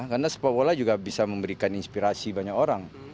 karena sepak bola juga bisa memberikan inspirasi banyak orang